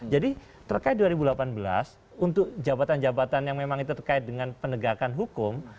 jadi terkait dua ribu delapan belas untuk jabatan jabatan yang memang itu terkait dengan penegakan hukum